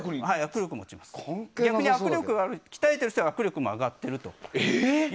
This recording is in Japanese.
逆に鍛えている人は握力も上がっていると。